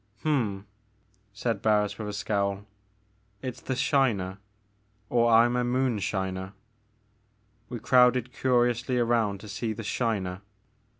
'*Hml" said Barris with a scowl, it's the 'Shiner,' or I'm a moonshiner.*' We crowded curiously around to see the "Shiner."